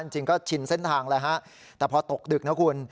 จริงก็ชินเส้นทางแล้วฮะแต่พอตกดึกนะคุณ